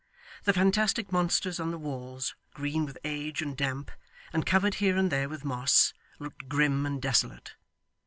The fantastic monsters on the walls, green with age and damp, and covered here and there with moss, looked grim and desolate.